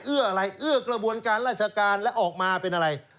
อะไรเอื้อกระบวนการราชการแล้วออกมาเป็นอะไร